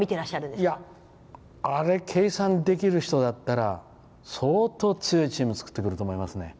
いや、あれを計算できる人だったら相当、強いチームを作ってくると思いますね。